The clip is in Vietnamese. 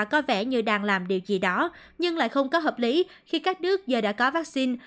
có vẻ như đang làm điều gì đó nhưng lại không có hợp lý khi các nước giờ đã có vaccine